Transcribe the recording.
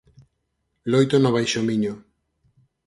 Loito no Baixo Miño.